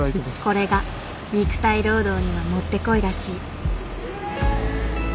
これが肉体労働にはもってこいらしい。